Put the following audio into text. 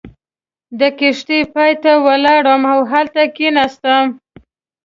د کښتۍ پای ته ولاړم او هلته کېناستم.